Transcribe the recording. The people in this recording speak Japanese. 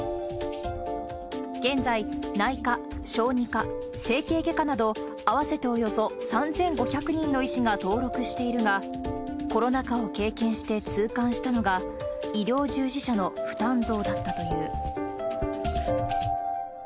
現在、内科、小児科、整形外科など、合わせておよそ３５００人の医師が登録しているが、コロナ禍を経験して痛感したのが、医療従事者の負担増だったという。